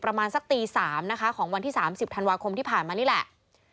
ประมาณสักตี๓นะคะของวันที่๓๐ธันวาคมที่ผ่านมานี่แหละ